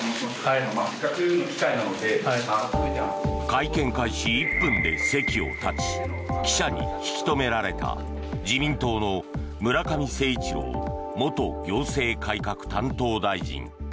会見開始１分で席を立ち記者に引き留められた自民党の村上誠一郎元行政改革担当大臣。